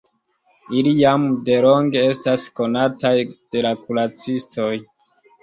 Ili jam delonge estas konataj de la kuracistoj.